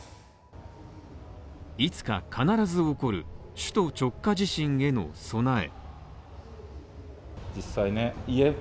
いつか必ず起こる、首都直下地震への備え。